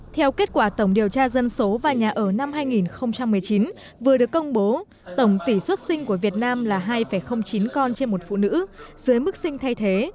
theo kết quả tổng điều tra dân số và nhà ở năm hai nghìn một mươi chín vừa được công bố tổng tỷ xuất sinh của việt nam là hai chín con trên một phụ nữ dưới mức sinh thay thế